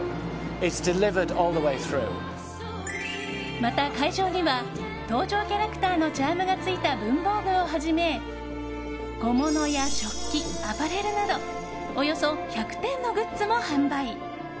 また会場には登場キャラクターのチャームがついた文房具をはじめ小物や食器、アパレルなどおよそ１００点のグッズも販売。